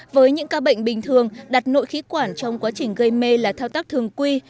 với những ca bệnh bình thường đặt nội khí quản trong quá trình gây mê là thao tác thường quy